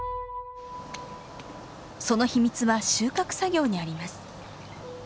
その秘密は収穫作業にあります。